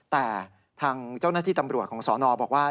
แต่ทางเจ้าหน้าที่ตำรวจของสนบอกว่า